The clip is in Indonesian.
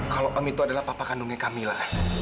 kalau om itu adalah papa kandungnya kamila